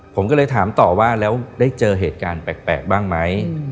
ผมก็เลยถามต่อว่าแล้วได้เจอเหตุการณ์แปลกบ้างไหม